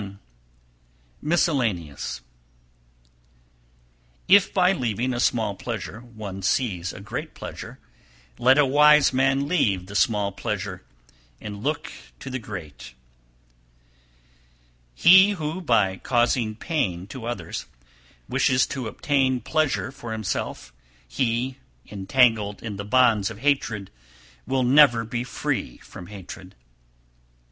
Miscellaneous 290. If by leaving a small pleasure one sees a great pleasure, let a wise man leave the small pleasure, and look to the great. 291. He who, by causing pain to others, wishes to obtain pleasure for himself, he, entangled in the bonds of hatred, will never be free from hatred.